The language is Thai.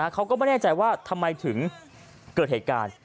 เขาก็ไม่แน่ใจว่าทำไมถึงเกิดเหตุการณ์